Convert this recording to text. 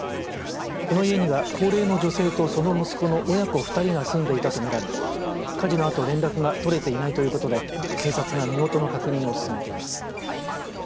この家には高齢の女性とその息子の親子２人が住んでいたと見られ火事のあと連絡が取れていないということで警察が身元の確認を進めています。